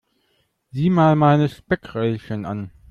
Sieh mal meine Speckröllchen an.